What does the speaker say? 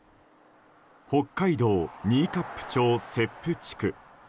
北海道新冠町節婦地区。